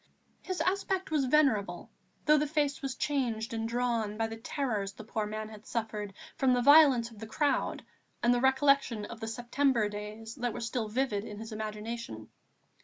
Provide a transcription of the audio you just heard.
His aspect was venerable, though the face was changed and drawn by the terrors the poor man had suffered from the violence of the crowd and the recollection of the September days that were still vivid in his imagination.